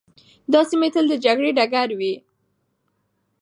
دا سیمي تل د جګړې ډګر وې.